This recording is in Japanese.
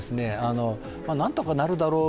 何とかなるだろう